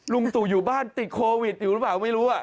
ลุงตู่อยู่บ้านติดโควิดอยู่หรือเปล่าไม่รู้